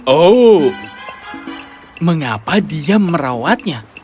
oh mengapa dia merawatnya